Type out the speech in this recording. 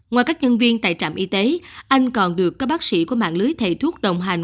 ngoài các nhân viên tại trạm y tế anh còn được các bác sĩ của mạng lưới thầy thuốc đồng hành